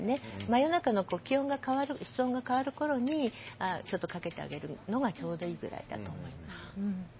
真夜中の気温が変わる室温が変わる頃にちょっと掛けてあげるのがちょうどいいぐらいだと思います。